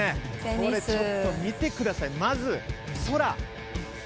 これちょっと見てください。